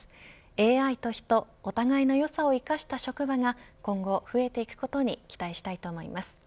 ＡＩと人お互いのよさを生かした職場が今後、増えていくことに期待したいと思います。